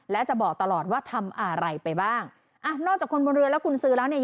และจะบอกตลอดว่าทำอะไรไปบ้างอ่ะนอกจากคนบนเรือแล้วคุณซื้อแล้วเนี่ย